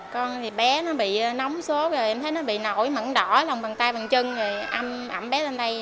con bé nó bị nóng sốt rồi em thấy nó bị nổi mặn đỏ lòng bằng tay bằng chân ẩm bé lên đây